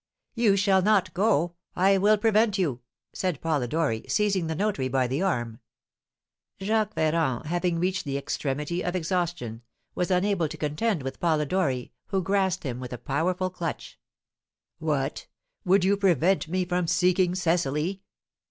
"You shall not go I will prevent you!" said Polidori, seizing the notary by the arm. Jacques Ferrand having reached the extremity of exhaustion, was unable to contend with Polidori, who grasped him with a powerful clutch. "What, would you prevent me from seeking Cecily?"